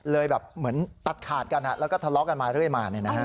เลยแบบเหมือนตัดขาดกันแล้วก็ทะเลาะกันมาเรื่อยมา